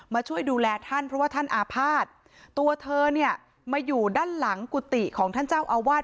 ช่วยดูแลท่านเพราะว่าท่านอาภาษณ์ตัวเธอเนี่ยมาอยู่ด้านหลังกุฏิของท่านเจ้าอาวาส